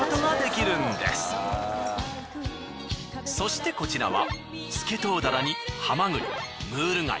そしてこちらは。